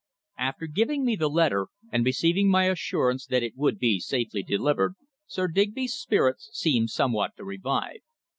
After giving me the letter, and receiving my assurance that it would be safely delivered, Sir Digby's spirits seemed somewhat to revive.